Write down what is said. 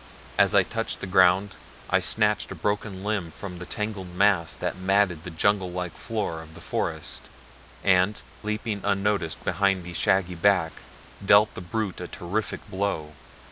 As I touched the ground I snatched a broken limb from the tangled mass that matted the jungle like floor of the forest and, leaping unnoticed behind the shaggy back, dealt the brute a terrific blow.